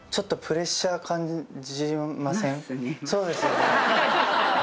そうですよね。